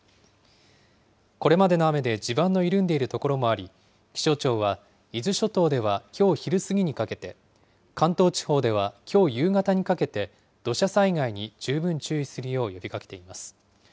これまでの雨で地盤の緩んでいる所もあり、気象庁は伊豆諸島ではきょう昼過ぎにかけて、関東地方ではきょう夕方にかけて、土砂災害に十分注意するよう呼びかけています。